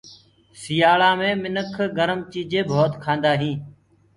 سٚيآلآ مي منک گرم چيجينٚ ڀوت کآندآ هينٚ